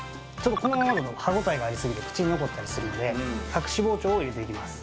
このままだと歯応えがありすぎて口に残ったりするので隠し包丁を入れていきます